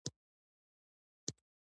شخړه کمیږي او يا له منځه وړل کېږي.